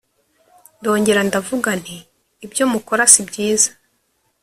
Ndongera ndavuga nti Ibyo mukora si byiza